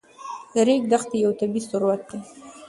د ریګ دښتې یو طبعي ثروت دی.